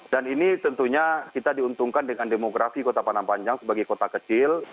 dan ini tentunya kita diuntungkan dengan demografi kota padang panjang sebagai kota kecil